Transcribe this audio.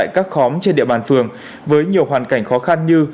công an phường đã thuê trọ tại các khóm trên địa bàn phường với nhiều hoàn cảnh khó khăn như